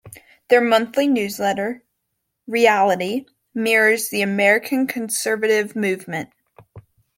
Their monthly newsletter, "Real"ity, mirrors the American conservative movement.